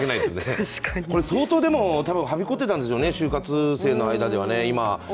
これ相当、はびこってたんでしょうね、就活生の間では。